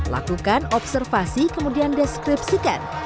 lakukan observasi kemudian deskripsikan